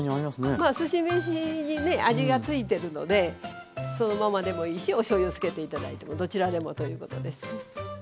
まあすし飯にね味がついてるのでそのままでもいいしおしょうゆをつけて頂いてもどちらでもということです。